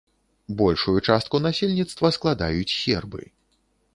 Большую частку насельніцтва складаюць сербы.